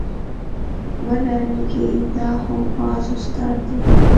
مه ډارېږئ دا خو باز استاد دی.